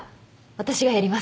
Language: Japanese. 私がやります。